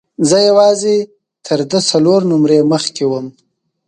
زه یوازې تر ده څلور نمرې مخکې وم.